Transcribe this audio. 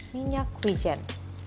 minyak kuih jen